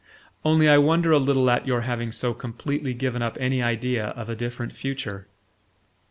Only I wonder a little at your having so completely given up any idea of a different future."